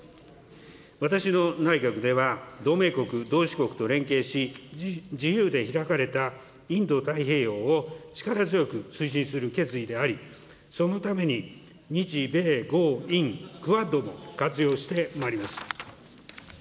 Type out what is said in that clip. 私の内閣では、同盟国、同志国と連携し、自由で開かれたインド太平洋を力強く推進する決意であり、そのために日米豪印、クアッドを活用してまいります。